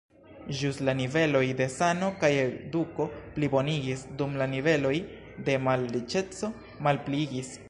Ĵus la niveloj de sano kaj eduko plibonigis, dum la niveloj de malriĉeco malpliigis.